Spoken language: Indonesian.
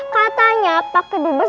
katanya pak ke dupes